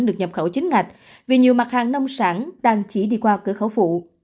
được nhập khẩu chính ngạch vì nhiều mặt hàng nông sản đang chỉ đi qua cửa khẩu phụ